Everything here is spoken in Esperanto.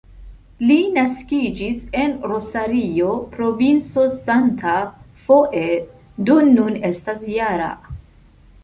Li naskiĝis en Rosario, provinco Santa Fe, do nun estas -jara.